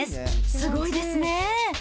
すごいですね。